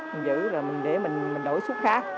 mình giữ rồi để mình đổi súc khác